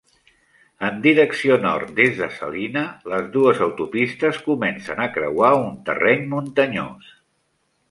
En direcció nord des de Salina, les dues autopistes comencen a creuar un terreny muntanyós.